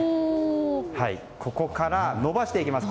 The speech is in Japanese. ここから伸ばしていきます。